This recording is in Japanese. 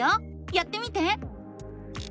やってみて！